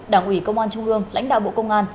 đảng ủy công an trung ương lãnh đạo bộ công an